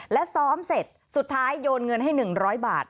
และซ้อมเสร็จสุดท้ายโยนเงินให้๑๐๐บาท